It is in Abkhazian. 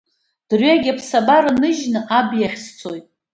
Дырҩагь аԥсабара ныжьны Аб иахь сцоит.